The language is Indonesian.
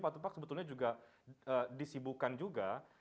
pak tupak sebetulnya juga disibukan juga